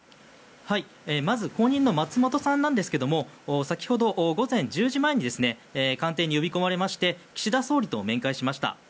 まず後任の松本さんなんですが先ほど午前１０時前に官邸に呼び込まれまして岸田総理と面会しました。